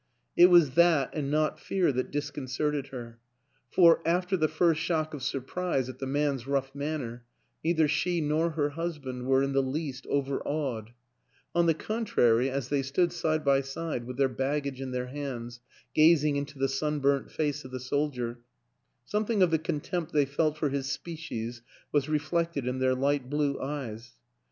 It was that and not fear that disconcerted her for, after the first shock of surprise at the man's rough manner, neither she nor her husband were in the least overawed; on the contrary, as they stood side by side with their baggage in their hands, gazing into the sunburnt face of the soldier, something of the contempt they felt for his species was reflected in their light blue eyes.